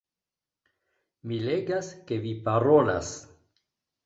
Mi legas, ke vi parolas